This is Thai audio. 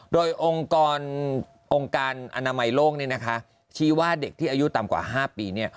โดยองค์การอนามัยโลกนี้นะคะชี้ว่าเด็กที่อายุต่ำกว่า๕ปีเนี่ย